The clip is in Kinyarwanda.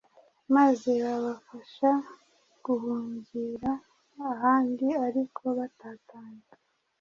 maze babafasha guhungira ahandi ariko batatanye